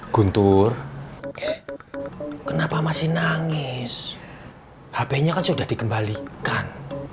guntur kenapa masih nangis hpnya sudah dikembalikan